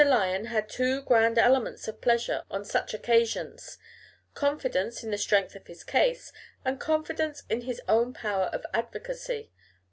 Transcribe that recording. Lyon had two grand elements of pleasure on such occasions: confidence in the strength of his case, and confidence in his own power of advocacy.